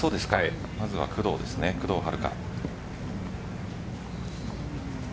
まずは工藤ですね、工藤遥加。